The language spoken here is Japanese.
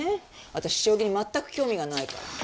私将棋に全く興味がないから。